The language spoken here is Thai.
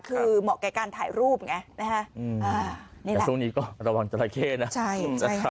คือเหมาะกับการถ่ายรูปไงนะฮะอืมอ่านี่แหละแต่ตรงนี้ก็ระวังจราเข้นะใช่ใช่